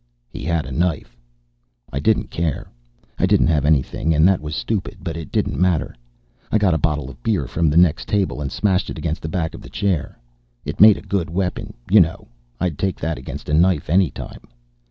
He had a knife. I didn't care. I didn't have anything and that was stupid, but it didn't matter. I got a bottle of beer from the next table and smashed it against the back of a chair. It made a good weapon, you know; I'd take that against a knife any time.